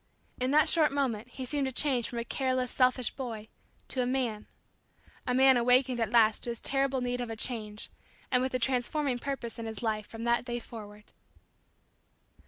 In that short moment he seemed to change from a careless, selfish boy to a man a man awakened at last to his terrible need of a change and with a transforming purpose in his life from that day forward.